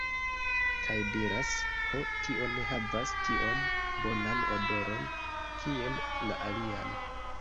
Kaj diras, ho tio ne havas tiom bonan odoron kiel la alian